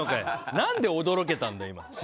何で驚けたんだよ。